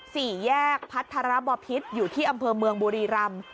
สี่แยกพัทรบพิษอยู่ที่อำเภอเมืองบุรีรำ